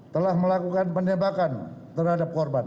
selain kes deserves yang penuh dan hanya sesuai dari waktu keseluruhan